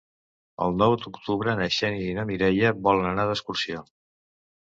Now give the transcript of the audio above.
El nou d'octubre na Xènia i na Mireia volen anar d'excursió.